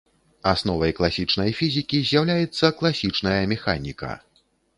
Асновай класічнай фізікі з'яўляецца класічная механіка.